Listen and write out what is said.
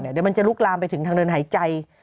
เดี๋ยวมันจะลุกลามไปถึงทางเดินหายใจ